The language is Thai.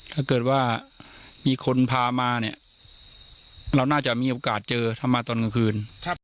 ถ้าเกิดว่ามีคนพามาเนี่ยเราน่าจะมีโอกาสเจอถ้ามาตอนกลางคืน